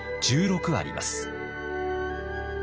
１６あります。